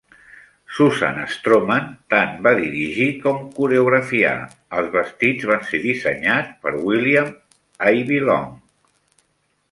Susan Stroman tant va dirigir com coreografiar; els vestits van ser dissenyats per William Ivey Long.